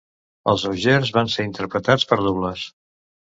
Els Augers van ser interpretats per dobles.